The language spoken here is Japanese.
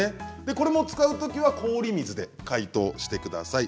これも使うときは氷水で解凍してください。